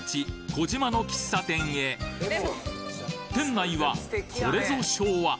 児島の喫茶店へ店内はこれぞ昭和。